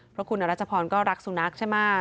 เพราะคุณอรัชพรก็รักสุนัขใช่ไหม